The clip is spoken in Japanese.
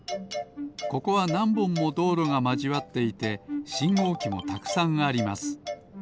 ここはなんぼんもどうろがまじわっていてしんごうきもたくさんあります。